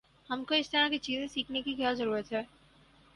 ہم کو اس طرح کی چیزیں سیکھنے کی کیا ضرورت ہے؟